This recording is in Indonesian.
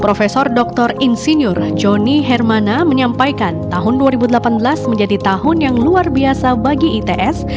prof dr insinyur joni hermana menyampaikan tahun dua ribu delapan belas menjadi tahun yang luar biasa bagi its